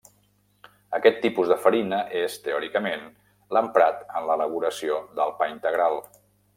Aquest tipus de farina és, teòricament, l'emprat en l'elaboració del pa integral.